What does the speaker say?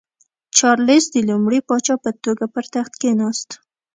چارلېس د لومړي پاچا په توګه پر تخت کېناست.